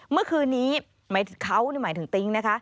เมื่อคืนนี้เขาหมายถึงติ๊งนะคะ